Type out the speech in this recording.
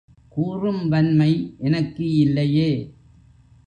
கூறும் வன்மை எனக்கு இல்லையே!